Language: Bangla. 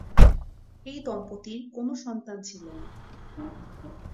এই দম্পতির কোন সন্তান ছিল না।